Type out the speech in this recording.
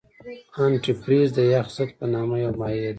انتي فریز د یخ ضد په نامه یو مایع ده.